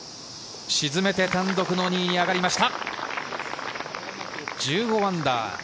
沈めて、単独の２位に上がりました。